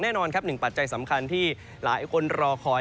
แน่นอนครับหนึ่งปัจจัยสำคัญที่หลายคนรอคอย